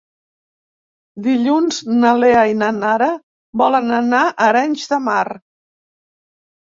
Dilluns na Lea i na Nara volen anar a Arenys de Mar.